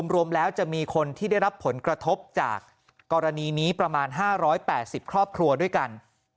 รวมแล้วจะมีคนที่ได้รับผลกระทบจากกรณีนี้ประมาณ๕๘๐ครอบครัวด้วยกัน